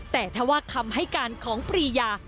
แต่ถ้าว่าคำให้การของปรียา